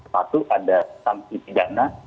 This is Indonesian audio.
satu ada sanksi dana